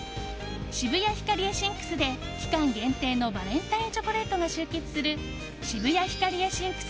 渋谷ヒカリエＳｈｉｎＱｓで期間限定のバレンタインチョコレートが集結する渋谷ヒカリエＳｈｉｎＱｓ